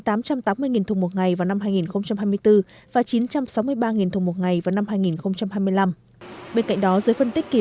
thùng một ngày vào năm hai nghìn hai mươi bốn và chín trăm sáu mươi ba thùng một ngày vào năm hai nghìn hai mươi năm bên cạnh đó dưới phân tích kỳ